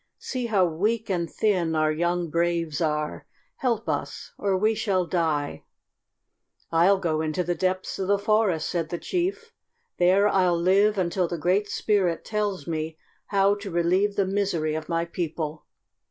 See how weak and thin our young braves are. Help us or we shall die." "I'll go into the depths of the forest," said the chief. "There I'll live until the Great Spirit tells me how to relieve the misery of my people."